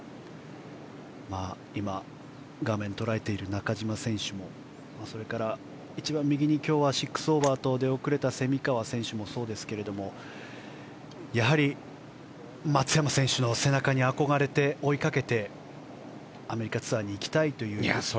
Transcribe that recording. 中島選手もそれから今日は６オーバーと出遅れた蝉川選手もそうですがやはり、松山選手の背中に憧れて追いかけて、アメリカツアーに行きたいということですよね。